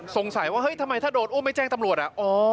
สงสัยว่าเฮ้ยทำไมถ้าโดนอุ้มไม่แจ้งตำรวจ